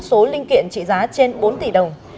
số linh kiện trị giá trên bốn tỷ đồng